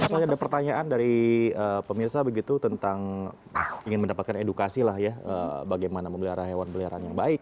misalnya ada pertanyaan dari pemirsa begitu tentang ingin mendapatkan edukasi lah ya bagaimana memelihara hewan peliharaan yang baik